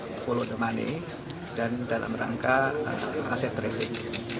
di mana kita menangani dan dalam rangka aset tracing